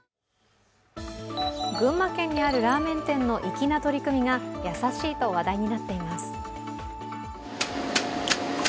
群馬県にあるラーメン店の粋な取り組みが優しいと話題になっています。